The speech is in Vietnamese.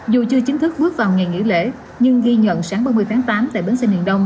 dù chưa chính thức bước vào ngày nghỉ lễ nhưng ghi nhận sáng ba mươi tháng tám tại bến xe miền đông